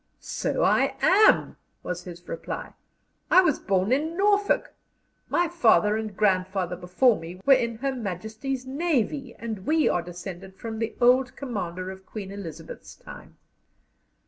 "So I am," was his reply. "I was born in Norfolk. My father and grandfather before me were in Her Majesty's Navy, and we are descended from the old commander of Queen Elizabeth's time."